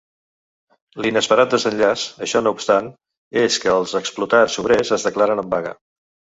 L'inesperat desenllaç, això no obstant, és que els explotats obrers es declaren en vaga.